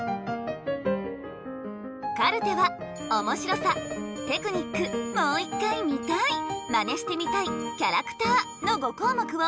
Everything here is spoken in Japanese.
カルテは「おもしろさ」「テクニック」「もう１回見たい」「マネしてみたい」「キャラクター」の５項目を１０点満点で評価。